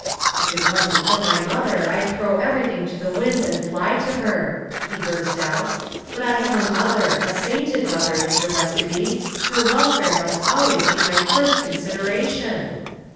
"If it wasn't for my mother I'd throw everything to the winds and fly to her," he burst out. "But I have a mother a sainted mother, Mr. Westoby her welfare must always be my first consideration!"